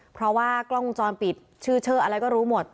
เพราะว่ากล้องวงจรปิดชื่อเชิดอะไรก็รู้หมด